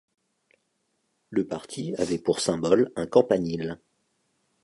Le parti avait pour symbole un campanile.